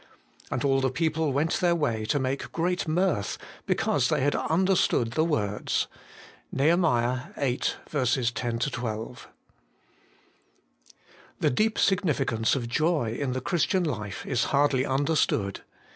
And all the people went their way to make great mirth, because they had understood the words.' NEH. viii. 10 12. THE deep significance of joy in the Christian life is hardly understood.